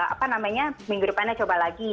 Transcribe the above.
apa namanya minggu depannya coba lagi